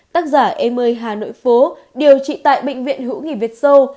tác giả em ơi hà nội phố điều trị tại bệnh viện hữu nghị việt sâu